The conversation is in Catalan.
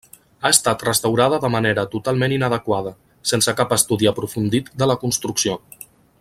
Ha estat restaurada de manera totalment inadequada, sense cap estudi aprofundit de la construcció.